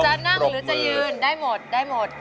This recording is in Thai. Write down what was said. จะนั่งหรือจะยืนได้หมด